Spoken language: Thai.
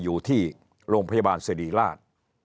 อยู่ที่โรงพยาบาลสิริราช